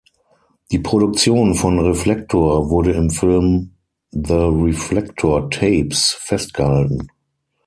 Die Produktion von "Reflektor" wurde im Film "The Reflektor Tapes" festgehalten.